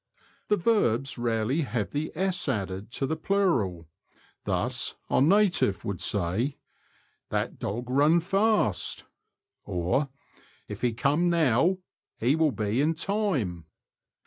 The verbs rarely have the s added to the plural ; thus, our native would say :" That dog run fast," or, " If he come now he will be in time."